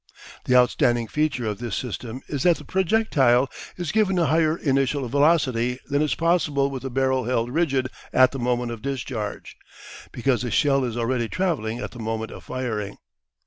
The outstanding feature of this system is that the projectile is given a higher initial velocity than is possible with the barrel held rigid at the moment of discharge, because the shell is already travelling at the moment of firing.